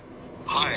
はい。